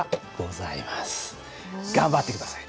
頑張って下さい。